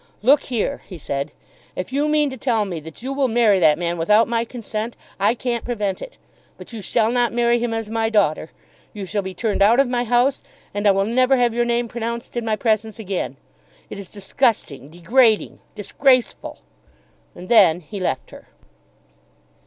"Look here," he said, "if you mean to tell me that you will marry that man without my consent, I can't prevent it. But you shall not marry him as my daughter. You shall be turned out of my house, and I will never have your name pronounced in my presence again. It is disgusting, degrading, disgraceful!" And then he left her.